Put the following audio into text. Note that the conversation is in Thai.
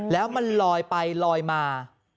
แล้วมันลอยไปลอยมา